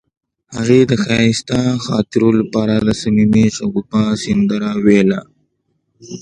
هغې د ښایسته خاطرو لپاره د صمیمي شګوفه سندره ویله.